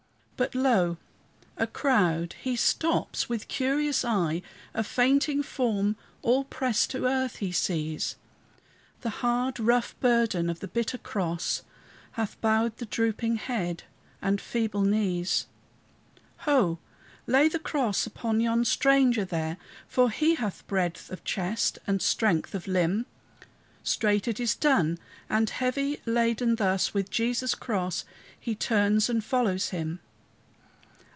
But lo! a crowd: he stops, with curious eye A fainting form all pressed to earth he sees; The hard, rough burden of the bitter cross Hath bowed the drooping head and feeble knees. Ho! lay the cross upon yon stranger there, For he hath breadth of chest and strength of limb. Straight it is done; and heavy laden thus, With Jesus' cross, he turns and follows him.